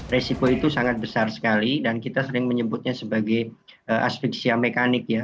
resiko itu sangat besar sekali dan kita sering menyebutnya sebagai aspek sia mekanik ya